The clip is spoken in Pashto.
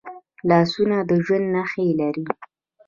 لاسونه د ژوند نښې لري